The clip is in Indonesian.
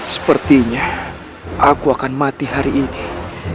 sepertinya aku akan mati hari ini